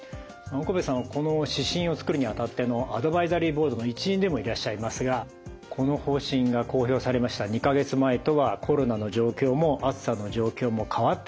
岡部さんはこの指針を作るにあたってのアドバイザリーボードの一員でもいらっしゃいますがこの方針が公表されました２か月前とはコロナの状況も暑さの状況も変わっていると思います。